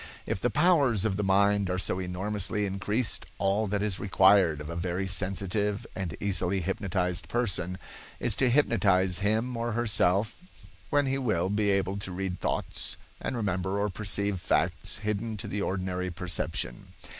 If the powers of the mind are so enormously increased, all that is required of a very sensitive and easily hypnotized person is to hypnotize him or herself, when he will be able to read thoughts and remember or perceive facts hidden to the ordinary perception.